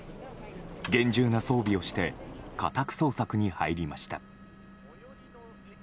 厳重な装備をして家宅捜索に入りました。